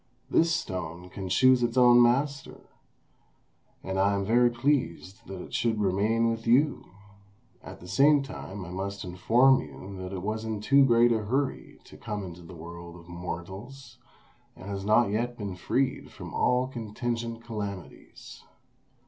This stone can choose its own master, and I am very pleased that it should remain with you; at the same time I must inform you that it was in too great a hurry to come into the world of mortals, and has not yet been freed from all contingent calamities.